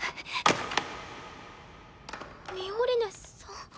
ミオリネさん？